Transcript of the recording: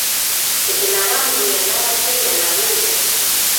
د دلارام لویه لاره تل له لاریو ډکه وي.